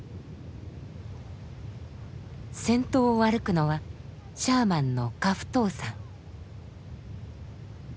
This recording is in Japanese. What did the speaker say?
先頭を歩くのはシャーマンの夏付冬さん。